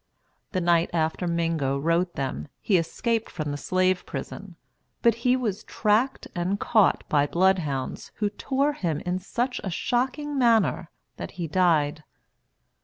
The night after Mingo wrote them, he escaped from the slave prison; but he was tracked and caught by bloodhounds, who tore him in such a shocking manner that he died.